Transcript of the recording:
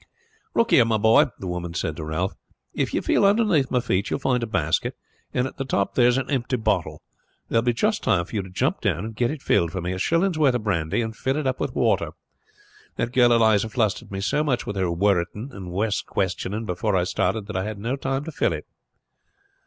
"Look here, my boy," the woman said to Ralph. "If you feel underneath my feet you will find a basket, and at the top there is an empty bottle. There will be just time for you to jump down and get it filled for me. A shilling's worth of brandy, and filled up with water. That girl Eliza flustered me so much with her worritting and questions before I started that I had not time to fill it."